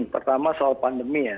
pertama soal pandemi ya